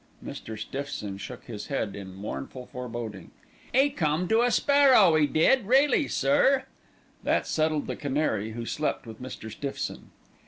Mr. Stiffson shook his head in mournful foreboding. "'E come to a sparrow, 'e did really, sir." That settled the canary, who slept with Mr. Stiffson.